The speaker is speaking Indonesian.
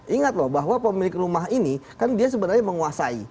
ingat loh bahwa pemilik rumah ini kan dia sebenarnya menguasai